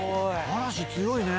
嵐強いね。